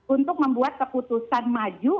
untuk membuat keputusan maju